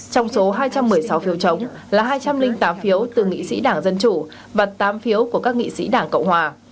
trong số hai trăm một mươi sáu phiếu chống là hai trăm linh tám phiếu từ nghị sĩ đảng dân chủ và tám phiếu của các nghị sĩ đảng cộng hòa